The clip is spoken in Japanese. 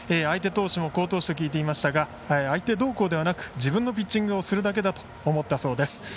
相手投手も好投手と聞いていましたが相手どうこうではなく自分のピッチングをするだけだと思ったそうです。